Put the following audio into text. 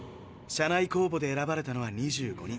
社内公募で選ばれたのは２５人。